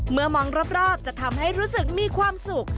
มองรอบจะทำให้รู้สึกมีความสุข